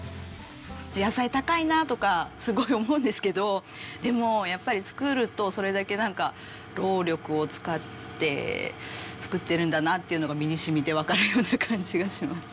野菜高いなとかすごい思うんですけどでもやっぱり作るとそれだけ労力を使って作ってるんだなっていうのが身に染みてわかるような感じがします。